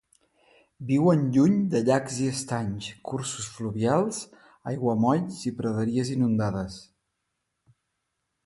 Viuen lluny de llacs i estanys, cursos fluvials, aiguamolls i praderies inundades.